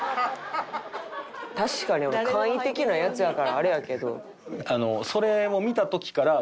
確かに簡易的なやつやからあれやけど。